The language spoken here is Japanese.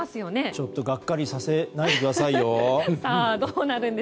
ちょっとがっかりさせないでくださいよ。